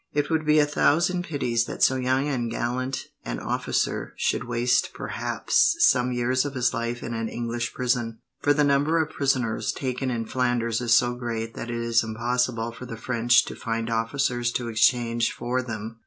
It would be a thousand pities that so young and gallant an officer should waste, perhaps, some years of his life in an English prison, for the number of prisoners taken in Flanders is so great that it is impossible for the French to find officers to exchange for them.